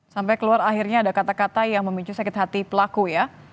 sampai keluar akhirnya ada kata kata yang memicu sakit hati pelaku ya